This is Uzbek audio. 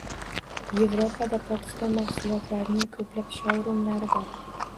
Yevropada Pokiston mahsulotlarining ko‘plab shourumlari bor